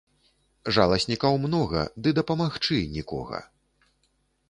Жаласнікаў многа, ды дапамагчы ‒ нікога